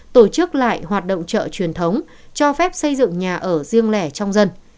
tổ chức lại hoạt động chợ truyền thống cho phép xây dựng nhà ở riêng lẻ trong dân